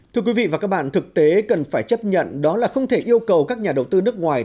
thưa quý vị và các bạn thực tế cần phải chấp nhận đó là không thể yêu cầu các nhà đầu tư nước ngoài